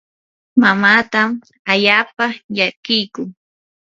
mamaatam allaapa llakiyku.